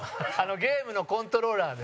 ゲームのコントローラーね。